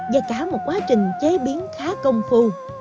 và cả một quá trình chế biến khá công phu